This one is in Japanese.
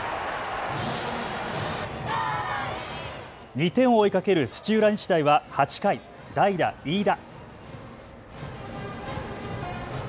２点を追いかける土浦日大は８回、代打・飯田。